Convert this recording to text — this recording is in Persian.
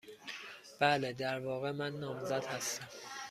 بله. در واقع، من نامزد هستم.